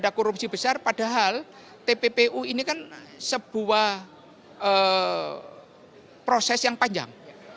ada korupsi besar padahal tppu ini kan sebuah proses yang panjang